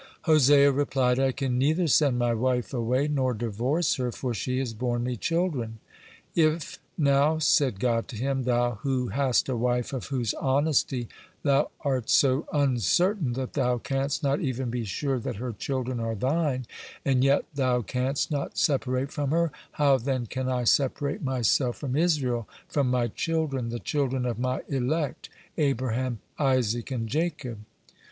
Hosea replied: "I can neither send my wife away nor divorce her, for she has borne me children." "If, now," said God to him, "thou who hast a wife of whose honesty thou art so uncertain that thou canst not even be sure that her children are thine, and yet thou canst not separate from her, how, then can I separate Myself from Israel, from My children, the children of My elect, Abraham, Isaac, and Jacob!"